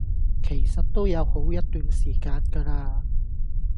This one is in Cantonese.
其實都有好一段時間架喇